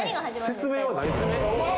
説明はないの？わ！